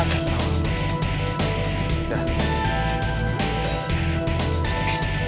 banyak banget tuh ya